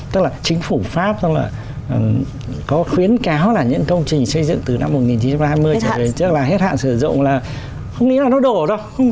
tức là chính phủ pháp có khuyến cáo là những công trình xây dựng từ năm một nghìn chín trăm hai mươi đến trước là hết hạn sử dụng là không nghĩ là nó đổ đâu